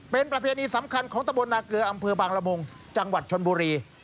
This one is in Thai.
เป็นประเพณีสำคัญของตะบนนาเกลืออำเภอบางละมุงจังหวัดชนบุรี